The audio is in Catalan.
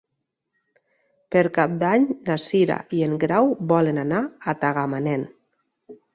Per Cap d'Any na Cira i en Grau volen anar a Tagamanent.